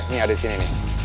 ini ada disini nih